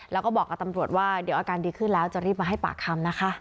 แล้วก็บอกกับตำรวจว่าเดี๋ยวอาการดีขึ้นแล้วจะรีบมาให้ปากคำนะคะ